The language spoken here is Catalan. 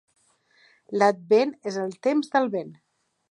L'Advent és el temps del vent.